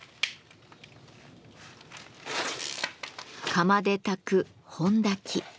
釜で焚く「本焚き」。